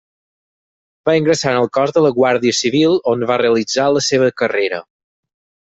Va ingressar en el cos de la Guàrdia Civil, on va realitzar la seva carrera.